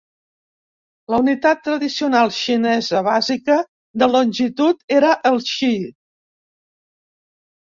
La unitat tradicional xinesa bàsica de longitud era el "txi".